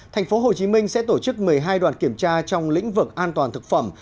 tp hcm sẽ tổ chức một mươi hai đoàn kiểm tra trong lĩnh vực an toàn thực phẩm